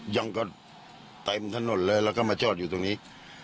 ยังก็เต็มถนนเลยแล้วก็มาจอดอยู่ตรงนี้